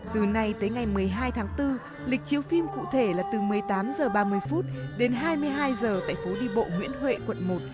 từ nay tới ngày một mươi hai tháng bốn lịch chiếu phim cụ thể là từ một mươi tám h ba mươi đến hai mươi hai h tại phố đi bộ nguyễn huệ quận một